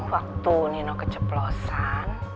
waktu nino keceplosan